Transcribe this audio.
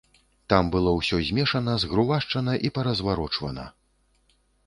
Там было ўсё змешана, згрувашчана і паразварочвана.